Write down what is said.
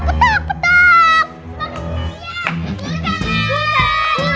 putan adalah video